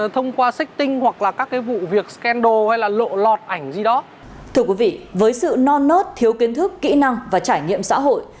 thưa quý vị với sự non nớt thiếu kiến thức kỹ năng và trải nghiệm xã hội